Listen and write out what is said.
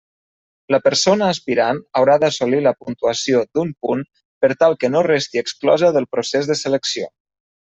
La persona aspirant haurà d'assolir la puntuació d'un punt per tal que no resti exclosa del procés de selecció.